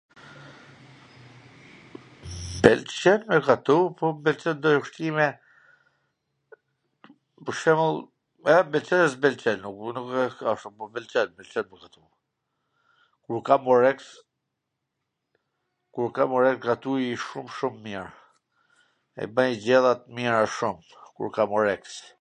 M pwlqen me gatu, po m pwlqen t bwj ushqime, pwr shembull, edhe m pwlqen edhe s m pwlqen, un nuk r kasm ashtu, po m pwlqen, m pwlqen me gatu, kur kam oreks, kur kam oreks, gatuj shum shum mir, e bwj gjella t mira shum, kur kam oreks